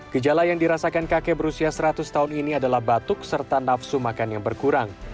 gejala yang dirasakan kakek berusia seratus tahun ini adalah batuk serta nafsu makan yang berkurang